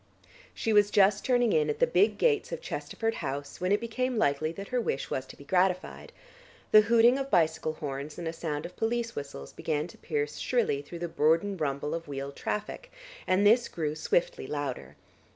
She was just turning in at the big gates of Chesterford House when it became likely that her wish was to be gratified. The hooting of bicycle horns and a sound of police whistles began to pierce shrilly through the bourdon rumble of wheeled traffic and this grew swiftly louder.